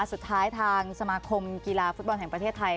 สุดท้ายทางสมาคมกีฬาฟุตบอลแห่งประเทศไทย